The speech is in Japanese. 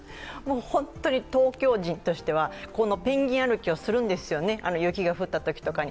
本当に東京人としてはペンギン歩きをするんですよね、雪が降ったときとかに。